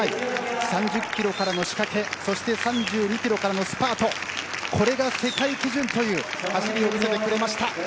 ３０キロからの仕掛けそして３２キロからのスパートこれが世界基準という走りを見せてくれました。